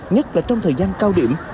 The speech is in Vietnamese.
nhất là trong thời gian cao điểm